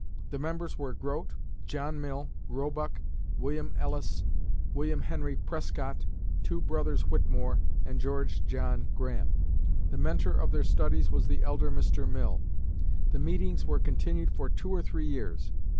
The members were Grote, John Mill, Roebuck, William Ellice, William Henry Prescott, two brothers Whitmore, and George John Graham. The mentor of their studies was the elder Mr. Mill. The meetings were continued for two or three years.